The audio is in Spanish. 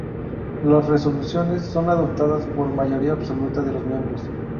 Las resoluciones son adoptadas por mayoría absoluta de los miembros.